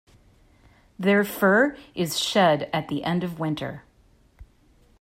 Their fur is shed at the end of winter.